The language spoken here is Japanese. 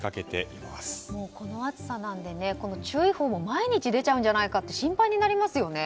もうこの暑さなんで注意報も毎日出ちゃうんじゃないかって心配になりますよね。